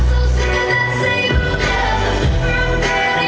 สวัสดีครับ